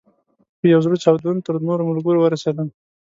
په یو زړه چاودون تر نورو ملګرو ورسېدم.